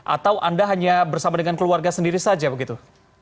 atau anda hanya bersama dengan keluarga sendiri saja begitu